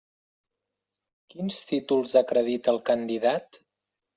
Quins títols acredita el candidat?